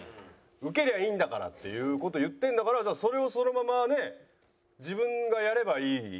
ウケりゃいいんだからっていう事を言ってるんだからそれをそのままね自分がやればいいのに。